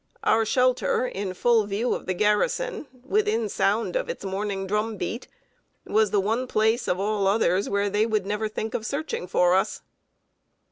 Our shelter, in full view of the garrison, and within sound of its morning drum beat, was the one place, of all others, where they would never think of searching for us.